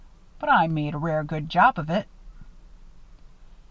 "But I made a rare good job of it."